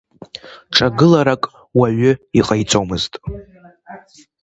Ҿагыларак уаҩы иҟаиҵомызт.